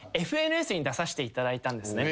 出させていただいたんですね。